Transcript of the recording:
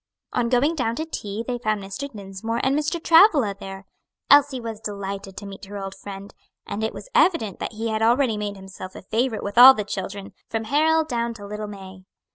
On going down to tea they found Mr. Dinsmore and Mr. Travilla there. Elsie was delighted to meet her old friend, and it was evident that he had already made himself a favorite with all the children, from Harold down to little May.